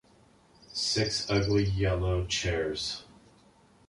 six ugly yellow chairs.